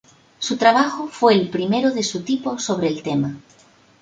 Su trabajo fue el primero de su tipo sobre el tema.